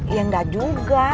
iya enggak juga